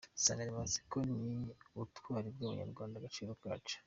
Insanganyamatsiko ni "Ubutwari bw’Abanyarwanda, agaciro kacu".